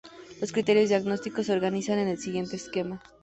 Los criterios diagnósticos se organizan en el siguiente esquema.